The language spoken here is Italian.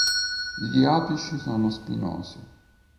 Gli apici sono spinosi.